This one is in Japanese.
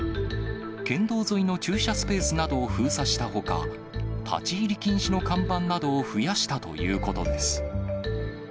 県道沿いの駐車スペースなどを封鎖したほか、立ち入り禁止の看板などを増やしたということです。